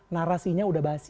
narasinya udah basi